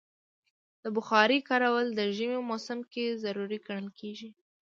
د بخارۍ کارول د ژمي موسم کې ضروری ګڼل کېږي.